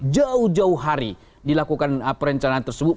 jauh jauh hari dilakukan perencanaan tersebut